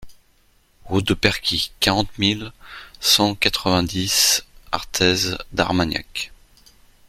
Route de Perquie, quarante mille cent quatre-vingt-dix Arthez-d'Armagnac